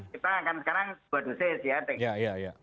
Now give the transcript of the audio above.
sekarang dua dosis ya